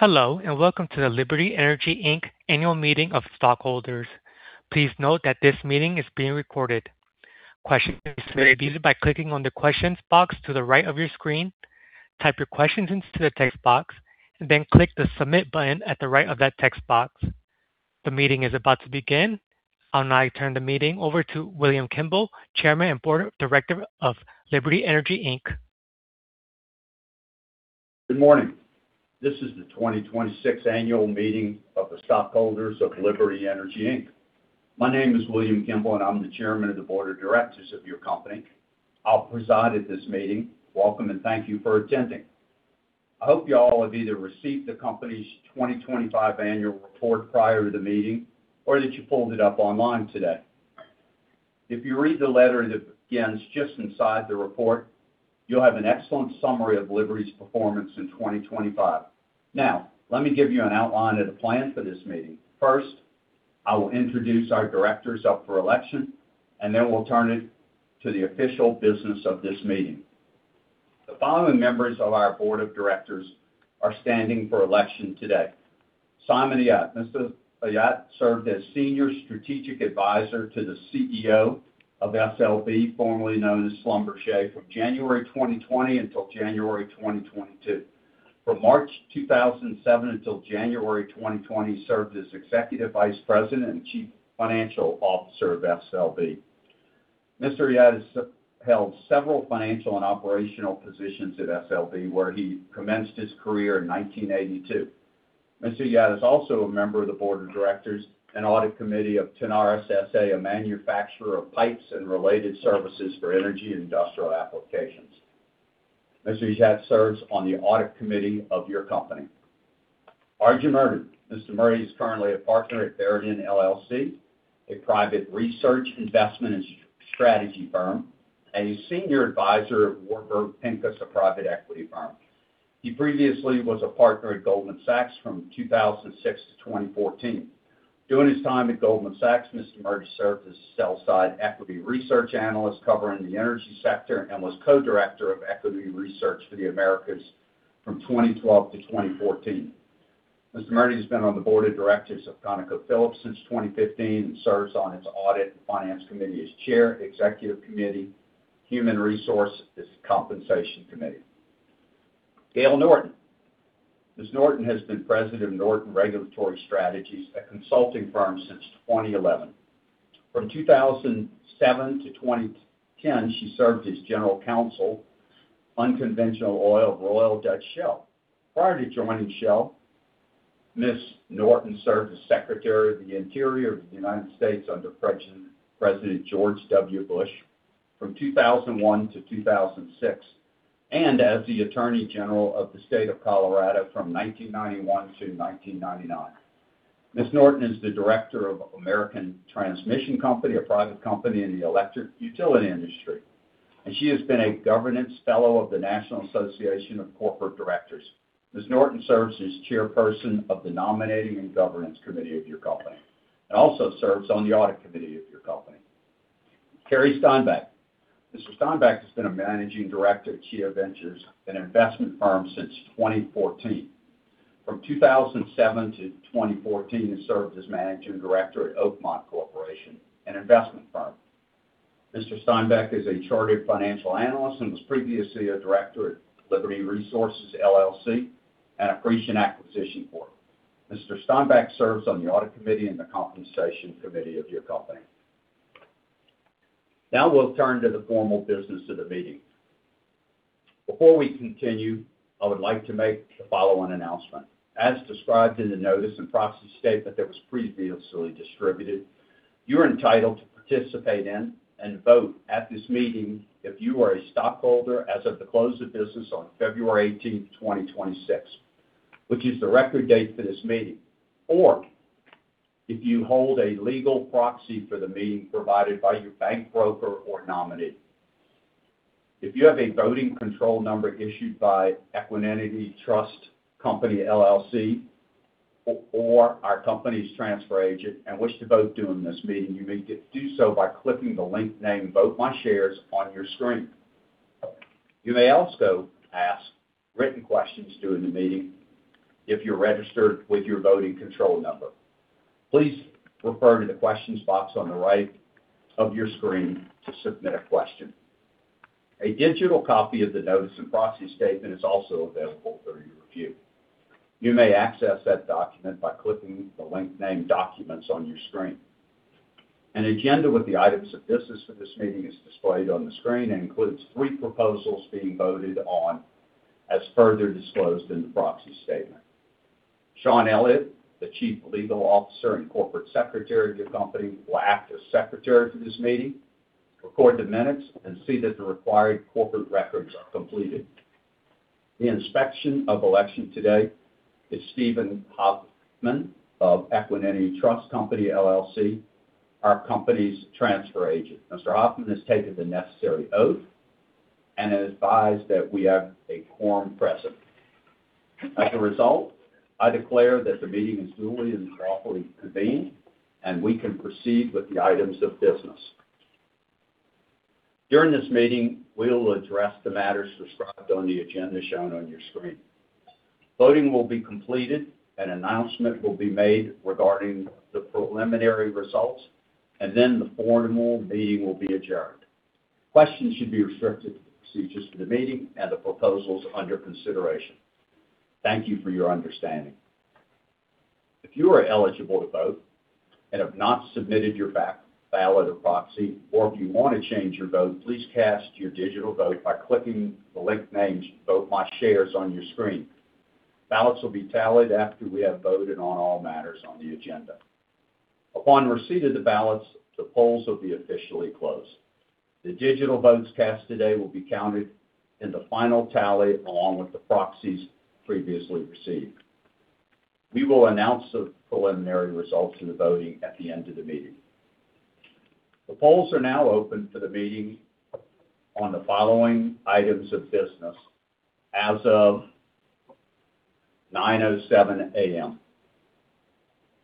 Hello, and welcome to the Liberty Energy Inc. annual meeting of stockholders. I'll now turn the meeting over to William Kimble, Chairman of the Board of Directors of Liberty Energy Inc. Good morning. This is the 2026 annual meeting of the stockholders of Liberty Energy Inc. My name is William Kimble, and I'm the Chairman of the Board of Directors of your company. I'll preside at this meeting. Welcome, thank you for attending. I hope you all have either received the company's 2025 annual report prior to the meeting or that you pulled it up online today. If you read the letter that begins just inside the report, you'll have an excellent summary of Liberty's performance in 2025. Now, let me give you an outline of the plan for this meeting. First, I will introduce our directors up for election, and then we'll turn it to the official business of this meeting. The following members of our Board of Directors are standing for election today. Simon Ayat. Mr. Ayat served as Senior Strategic Advisor to the CEO of SLB, formerly known as Schlumberger, from January 2020 until January 2022. From March 2007 until January 2020, he served as Executive Vice President and Chief Financial Officer of SLB. Mr. Ayat has held several financial and operational positions at SLB, where he commenced his career in 1982. Mr. Ayat is also a member of the Board of Directors and Audit Committee of Tenaris S.A., a manufacturer of pipes and related services for energy and industrial applications. Mr. Ayat serves on the Audit Committee of your company. Arjun Murti. Mr. Murti is currently a Partner at Veriten LLC, a private research investment and strategy firm, and a Senior Advisor at Warburg Pincus, a private equity firm. He previously was a Partner at Goldman Sachs from 2006 to 2014. During his time at Goldman Sachs, Mr. Murti served as sell-side Equity Research Analyst covering the energy sector and was Co-Director of Equity Research for the Americas from 2012-2014. Mr. Murti has been on the Board of Directors of ConocoPhillips since 2015 and serves on its Audit and Finance Committee as Chair, Executive Committee, Human Resource, its Compensation Committee. Gale Norton. Ms. Norton has been President of Norton Regulatory Strategies, a consulting firm, since 2011. From 2007-2010, she served as General Counsel, Unconventional Oil of Royal Dutch Shell. Prior to joining Shell, Ms. Norton served as Secretary of the Interior of the United States under President George W. Bush from 2001-2006, and as the Attorney General of the State of Colorado from 1991-1999. Ms. Norton is the Director of American Transmission Company, a private company in the electric utility industry, and she has been a Governance Fellow of the National Association of Corporate Directors. Ms. Norton serves as Chairperson of the Nominating and Governance Committee of your company and also serves on the Audit Committee of your company. Cary Steinbeck. Mr. Steinbeck has been a Managing Director at Chia Ventures, an investment firm, since 2014. From 2007-2014, he served as Managing Director at Oakmont Corporation, an investment firm. Mr. Steinbeck is a Chartered Financial Analyst and was previously a Director at Liberty Resources LLC and Accretion Acquisition Corp. Mr. Steinbeck serves on the Audit Committee and the Compensation Committee of your company. Now we'll turn to the formal business of the meeting. Before we continue, I would like to make the following announcement. As described in the Notice and Proxy Statement that was previously distributed, you're entitled to participate in and vote at this meeting if you are a stockholder as of the close of business on February 18th, 2026, which is the record date for this meeting, or if you hold a legal proxy for the meeting provided by your bank, broker, or nominee. If you have a voting control number issued by Equiniti Trust Company LLC or our company's transfer agent and wish to vote during this meeting, you may do so by clicking the link named "Vote My Shares" on your screen. You may also ask written questions during the meeting if you're registered with your voting control number. Please refer to the questions box on the right of your screen to submit a question. A digital copy of the Notice and Proxy Statement is also available for your review. You may access that document by clicking the link named "Documents" on your screen. An agenda with the items of business for this meeting is displayed on the screen and includes three proposals being voted on, as further disclosed in the proxy statement. Sean Elliott, the Chief Legal Officer and Corporate Secretary of your company, will act as Secretary for this meeting, record the minutes, and see that the required corporate records are completed. The Inspector of Election today is Steven Hoffman of Equiniti Trust Company, LLC, our company's transfer agent. Mr. Hoffman has taken the necessary oath and advised that we have a quorum present. As a result, I declare that the meeting is duly and properly convened, and we can proceed with the items of business. During this meeting, we will address the matters described on the agenda shown on your screen. Voting will be completed, an announcement will be made regarding the preliminary results, and then the formal meeting will be adjourned. Questions should be restricted to procedures of the meeting and the proposals under consideration. Thank you for your understanding. If you are eligible to vote and have not submitted your ballot or proxy, or if you want to change your vote, please cast your digital vote by clicking the link named "Vote My Shares" on your screen. Ballots will be tallied after we have voted on all matters on the agenda. Upon receipt of the ballots, the polls will be officially closed. The digital votes cast today will be counted in the final tally, along with the proxies previously received. We will announce the preliminary results of the voting at the end of the meeting. The polls are now open for the meeting on the following items of business as of 9:07 A.M.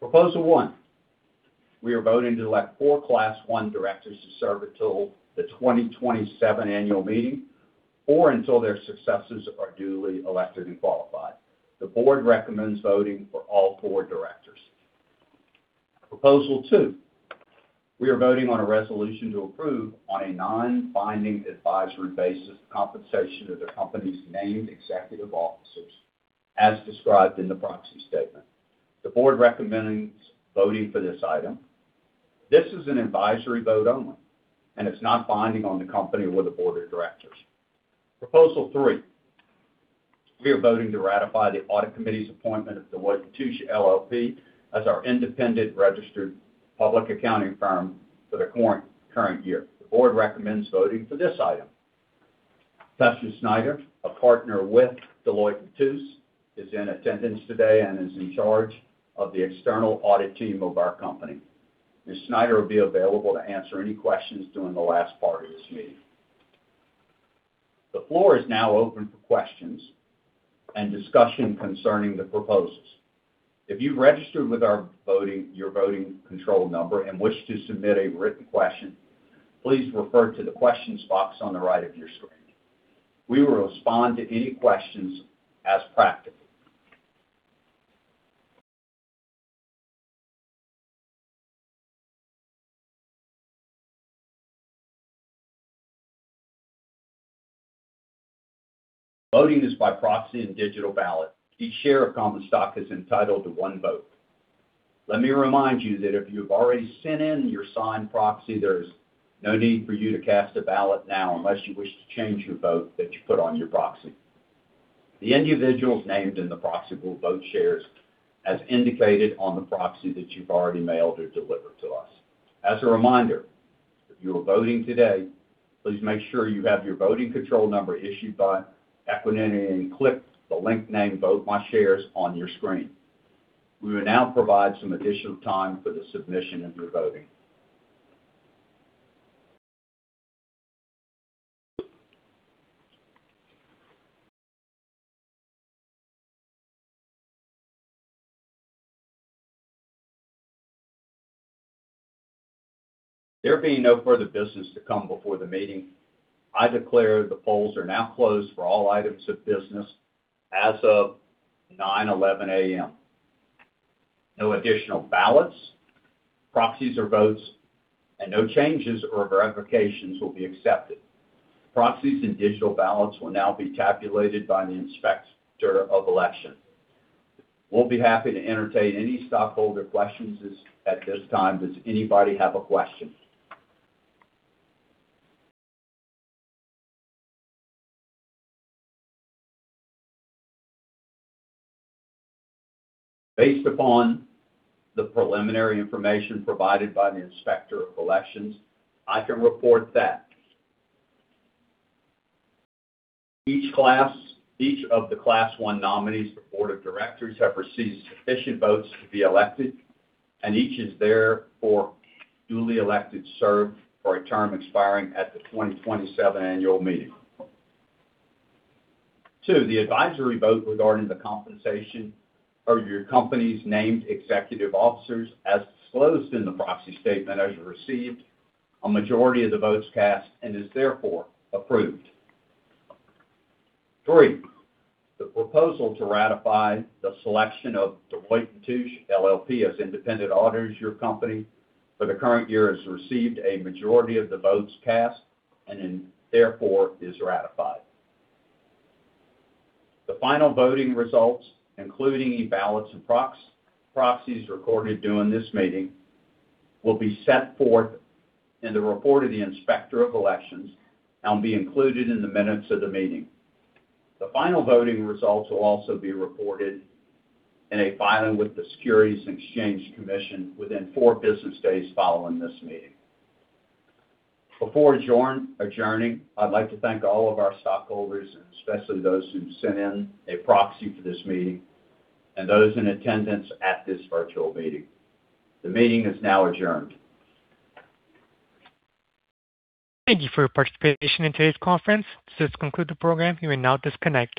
Proposal one, we are voting to elect four Class One directors to serve until the 2027 annual meeting or until their successors are duly elected and qualified. The Board recommends voting for all four directors. Proposal two, we are voting on a resolution to approve, on a non-binding advisory basis, the compensation of the company's named executive officers as described in the proxy statement. The Board recommends voting for this item. This is an advisory vote only, and it's not binding on the company or the Board of Directors. Proposal three, we are voting to ratify the Audit Committee's appointment of Deloitte & Touche LLP as our independent registered public accounting firm for the current year. The Board recommends voting for this item. Matthew Schneider, a Partner with Deloitte & Touche, is in attendance today and is in charge of the external audit team of our company. Mr. Schneider will be available to answer any questions during the last part of this meeting. The floor is now open for questions and discussion concerning the proposals. If you've registered with your voting control number and wish to submit a written question, please refer to the questions box on the right of your screen. We will respond to any questions as practical. Voting is by proxy and digital ballot. Each share of common stock is entitled to one vote. Let me remind you that if you've already sent in your signed proxy, there's no need for you to cast a ballot now unless you wish to change your vote that you put on your proxy. The individuals named in the proxy will vote shares as indicated on the proxy that you've already mailed or delivered to us. As a reminder, if you are voting today, please make sure you have your voting control number issued by Equiniti and click the link named "Vote My Shares" on your screen. We will now provide some additional time for the submission of your voting. There being no further business to come before the meeting, I declare the polls are now closed for all items of business as of 9:11 A.M. No additional ballots, proxies, or votes, and no changes or verifications will be accepted. Proxies and digital ballots will now be tabulated by the Inspector of Election. We'll be happy to entertain any stockholder questions at this time. Does anybody have a question? Based upon the preliminary information provided by the Inspector of Election, I can report that each of the Class One nominees for Board of Directors have received sufficient votes to be elected, and each is therefore duly elected to serve for a term expiring at the 2027 Annual Meeting. Two, the advisory vote regarding the compensation of your company's Named Executive Officers, as disclosed in the Proxy Statement, has received a majority of the votes cast and is therefore approved. Three, the proposal to ratify the selection of Deloitte & Touche LLP as independent auditors of your company for the current year has received a majority of the votes cast and therefore is ratified. The final voting results, including any ballots and proxies recorded during this meeting, will be set forth in the report of the Inspector of Election and will be included in the minutes of the meeting. The final voting results will also be reported in a filing with the Securities and Exchange Commission within four business days following this meeting. Before adjourning, I'd like to thank all of our stockholders, and especially those who sent in a proxy for this meeting and those in attendance at this virtual meeting. The meeting is now adjourned. Thank you for your participation in today's conference. This concludes the program. You may now disconnect.